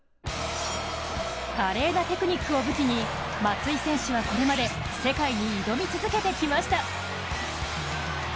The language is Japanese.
華麗なテクニックを武器に松井選手はこれまで世界に挑み続けてきました。